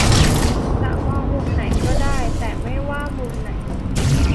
จะมองมุมไหนก็ได้ แต่ไม่ว่ามุมไหน